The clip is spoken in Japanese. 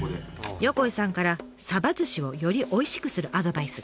横井さんから寿司をよりおいしくするアドバイスが。